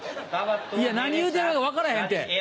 いや何言うてんのか分からへんって。